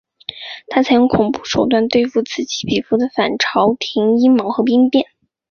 他采用恐怖手段对付此起彼伏的反朝廷阴谋和兵变。